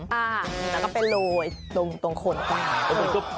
แล้วก็ไปโรยตรงโคนข้าง